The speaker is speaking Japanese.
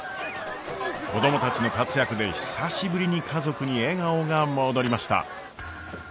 子供たちの活躍で久しぶりに家族に笑顔が戻りました。